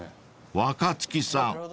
［若槻さん